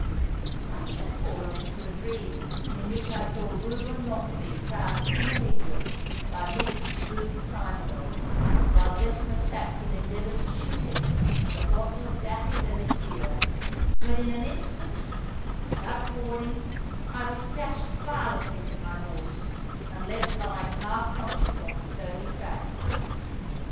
I had just fallen into a dream in which I saw Reuben Lockarby crowned King of England by Mistress Ruth Timewell, while Decimus Saxon endeavoured to shoot him with a bottle of Daffy's elixir, when in an instant, without warning, I was dashed violently from my horse, and left lying half conscious on the stony track.